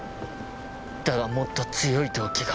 だがもっと強い動機が。